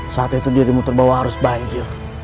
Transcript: saat itu dirimu terbawa arus banjir